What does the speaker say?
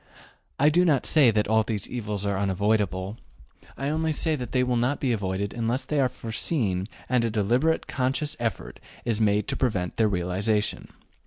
I do not say that all these evils are unavoidable; I say only that they will not be avoided unless they are foreseen and a deliberate conscious effort is made to prevent their realization.